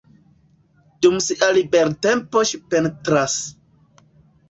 Dum sia libertempo ŝi pentras.